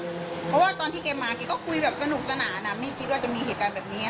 เพราะว่าตอนที่แกมาแกก็คุยแบบสนุกสนานไม่คิดว่าจะมีเหตุการณ์แบบนี้